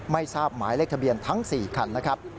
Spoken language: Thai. ไม่ทราบหมายเลขทะเบียนทั้ง๔คันนะครับ